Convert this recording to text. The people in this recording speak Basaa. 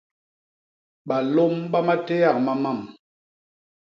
Balôm ba matéak ma mam.